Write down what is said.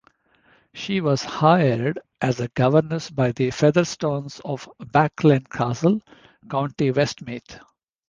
She was hired as a governess by the Featherstones of Bracklyn Castle, County Westmeath.